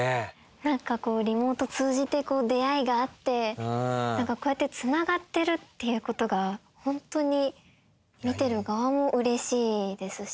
何かこうリモート通じて出会いがあって何かこうやってつながってるっていうことが本当に見てる側もうれしいですし。